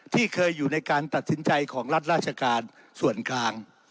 ที่เคยอยู่ในการตัดสินใจของรัฐราชการส่วนกลาง